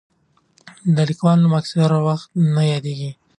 د لیکوال نوم اکثره وخت نه یادېږي.